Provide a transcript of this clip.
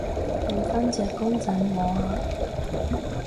畀返隻公仔我啊